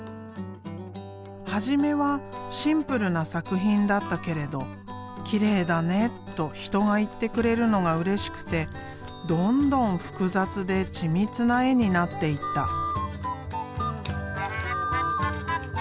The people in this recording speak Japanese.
初めはシンプルな作品だったけれど「きれいだね」と人が言ってくれるのがうれしくてどんどん複雑で緻密な絵になっていった。